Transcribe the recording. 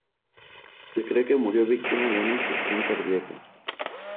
Se cree que murió víctima de una afección cardíaca.